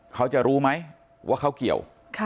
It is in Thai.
เขาจะรู้ไหมว่าเขาเกี่ยว